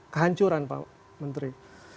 kehancuran pak menteri